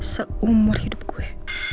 seumur hidup gue